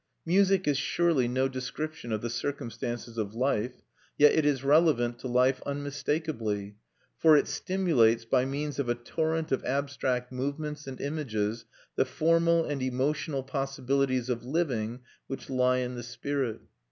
Music is surely no description of the circumstances of life; yet it is relevant to life unmistakably, for it stimulates by means of a torrent of abstract movements and images the formal and emotional possibilities of living which lie in the spirit.